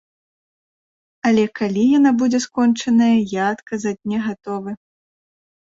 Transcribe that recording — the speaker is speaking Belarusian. Але калі яна будзе скончаная, я адказаць не гатовы.